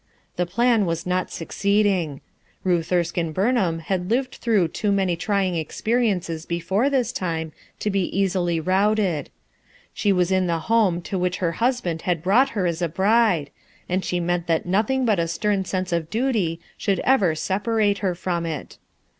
The plan was not succeeding. Ruth Erskine Burnham had lived through too many trying experiences before this time to be easily routed. She was in the home to which her husband had brought her as a bride, and she meant that nothing but a stern sense of duty should ever separate her from it.